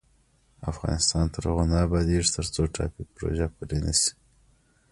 افغانستان تر هغو نه ابادیږي، ترڅو ټاپي پروژه پلې نشي.